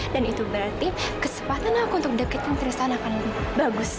dan itu berarti kesempatan aku untuk depikin tristana akan bagus